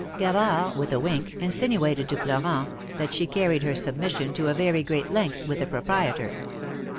Gavard, with a wink, insinuated to Florent, that she carried her submission to a very great length with the proprietor.